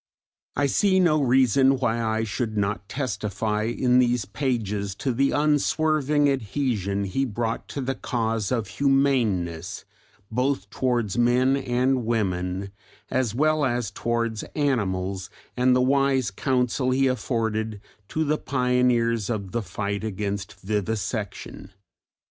I see no reason why I should not testify in these pages to the unswerving adhesion he brought to the cause of humaneness both towards men and women as well as towards animals, and the wise counsel he afforded to the pioneers of the fight against vivisection.